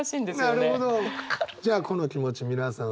じゃあこの気持ち皆さん